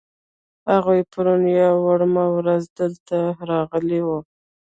هغوی پرون یا وړمه ورځ دلته راغلي دي.